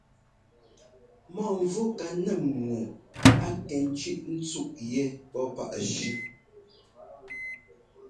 Mɔ́mvú ka nɛ́m ŋu a kɛ tsʉ́ꞌ ńtsúꞌ yɛ́ pɔ́ páꞌ jʉ́.